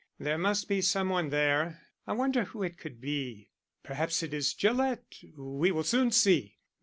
There must be some one there. I wonder who it could be?" "Perhaps it is Gillett. We will soon see."